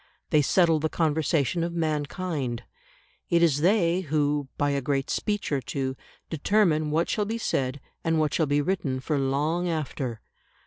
They settle the conversation of mankind. It is they who, by a great speech or two, determine what shall be said and what shall be written for long after.